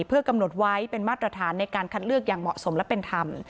เพื่อกำหนดไว้เป็นมาตรฐานในการคัดเลือกอย่างเหมาะสมและเป็นธรรม